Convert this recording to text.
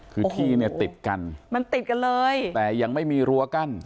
คือที่เนี่ยติดกันมันติดกันเลยแต่ยังไม่มีรั้วกั้น